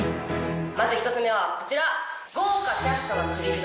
まず１つ目はこちら。